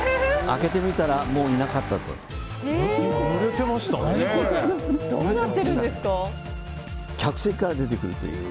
開けてみたらもういなかったという。